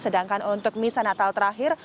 sedangkan untuk misa natal terakhir